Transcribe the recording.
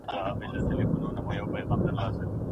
تاسي کولای سئ هره ورځ مدیتیشن وکړئ.